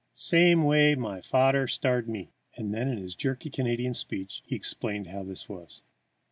"Same way like my fadder start me." And then, in his jerky Canadian speech, he explained how this was.